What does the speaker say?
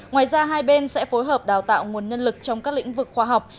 ngoài ra hai bên sẽ phối hợp đào tạo nguồn nhân lực trong các lĩnh vực khoa học